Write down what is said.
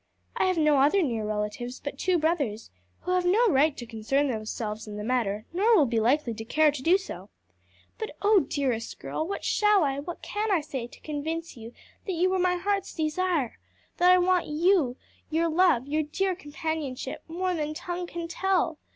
I have no other near relatives but two brothers, who have no right to concern themselves in the matter, nor will be likely to care to do so. But, O, dearest girl, what shall I, what can I say to convince you that you are my heart's desire? that I want you, your love, your dear companionship, more than tongue can tell?